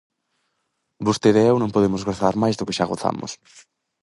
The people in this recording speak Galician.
Vostede e eu non podemos gozar máis do que xa gozamos.